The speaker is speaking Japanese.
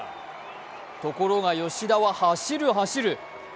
ところが吉田は走る、走る。